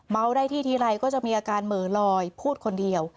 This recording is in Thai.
ได้ที่ทีไรก็จะมีอาการเหมือลอยพูดคนเดียว